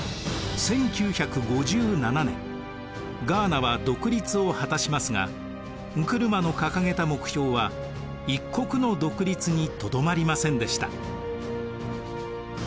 １９５７年ガーナは独立を果たしますがンクルマの掲げた目標は一国の独立にとどまりませんでした。